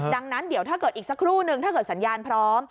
ดังนั้นเดี๋ยวถ้าเกิดอีกสักครู่นึงถ้าเกิดสัญญาณพร้อม